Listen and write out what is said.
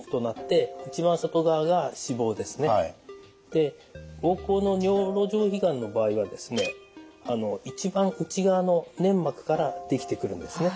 で膀胱の尿路上皮がんの場合はですね一番内側の粘膜から出来てくるんですね。